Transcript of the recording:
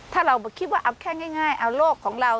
ถ้าเราคิดว่าเอาแค่ง่ายเอาโลกของเรา